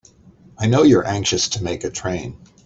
I know you're anxious to make a train.